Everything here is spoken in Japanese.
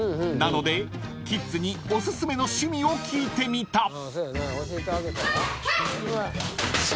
［なのでキッズにお薦めの趣味を聞いてみた］